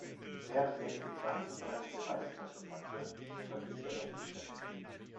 Während er in Gedanken bereits die Reisetasche packte, verließ er das Geschäft.